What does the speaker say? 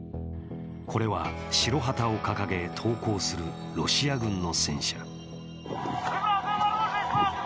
これは白旗を掲げ投降するロシア軍の戦車。